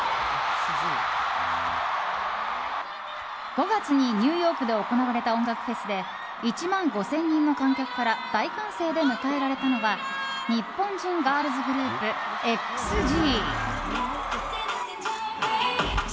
５月にニューヨークで行われた音楽フェスで１万５０００人の観客から大歓声で迎えられたのは日本人ガールズグループ、ＸＧ。